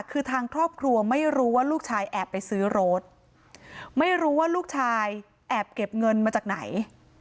คือทางครอบครัวไม่รู้ว่าลูกชายแอบไปซื้อรถไม่รู้ว่าลูกชายแอบเก็บเงินมาจากไหน